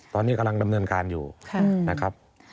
ตอนนี้ต้องเข้าสมบัติด้วยครับ